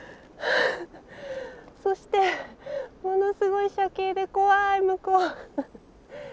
そしてものすごい斜傾で怖い向こう。